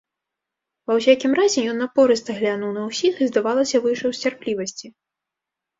Ва ўсякім разе, ён напорыста глянуў на ўсіх і, здавалася, выйшаў з цярплівасці.